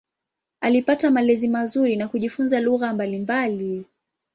Alipata malezi mazuri na kujifunza lugha mbalimbali.